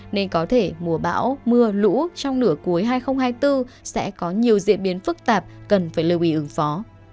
nên có thể mùa bão mưa lũ trong nửa cuối hai nghìn hai mươi bốn sẽ có nhiều diễn biến phức tạp cần phải lưu ý ứng phó